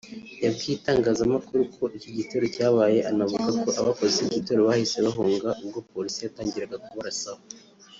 yabwiye itangazamakuru ko iki gitero cyabaye anavuga ko abakoze iki gitero bahise bahunga ubwo Polisi yatangiraga kubarasaho